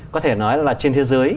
có thể nói là trên thế giới